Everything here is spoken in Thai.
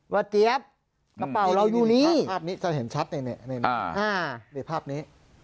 ว่าเจี๊ยบกระเป๋าเราอยู่นี้ภาพนี้ใหญ่ในภาพนี้